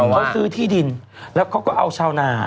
เขาซื้อที่ดินแล้วเขาก็เอาชาวนา